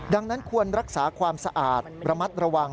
ดังนั้นควรรักษาความสะอาดระมัดระวัง